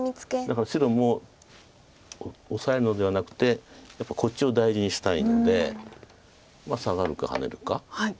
だから白もオサえるのではなくてやっぱりこっちを大事にしたいのでサガるかハネるか。